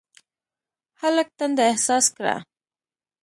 هلک تنده احساس کړه.